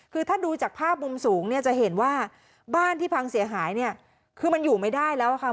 คือถ้าดูจากภาพมุมสูงเนี่ยจะเห็นว่าบ้านที่พังเสียหายเนี่ยคือมันอยู่ไม่ได้แล้วค่ะ